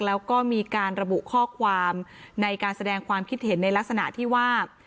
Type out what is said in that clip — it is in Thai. แล้วก็มีการระบุข้อความในการแสดงความคิดเห็นในลักษณะที่ว่า